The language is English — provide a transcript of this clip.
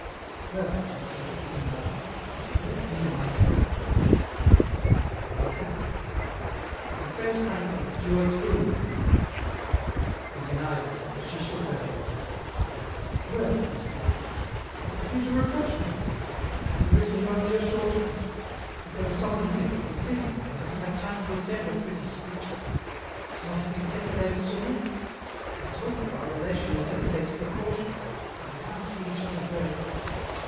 "Well," she said, sitting down. "You wrote me a nice letter." "How's that?" "Confess frankly that you are through with me." He denied this, but she shook her head. "Well," he said, "what have you to reproach me with? Having written you only a short note? But there was someone here, I was busy and I didn't have time to assemble pretty speeches. Not having set a date sooner? I told you our relation necessitates precautions, and we can't see each other very often.